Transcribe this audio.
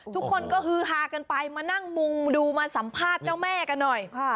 ทุกคนก็ฮือฮากันไปมานั่งมุงดูมาสัมภาษณ์เจ้าแม่กันหน่อย